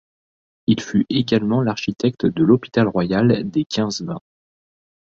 Il fut également l'architecte de l'hôpital royal des Quinze-Vingts.